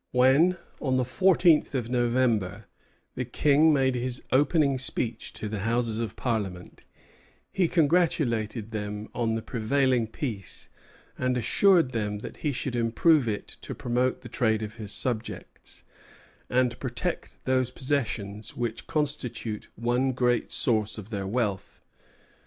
When, on the fourteenth of November, the King made his opening speech to the Houses of Parliament, he congratulated them on the prevailing peace, and assured them that he should improve it to promote the trade of his subjects, "and protect those possessions which constitute one great source of their wealth."